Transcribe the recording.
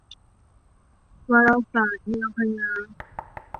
วรศาสส์ แนวพญา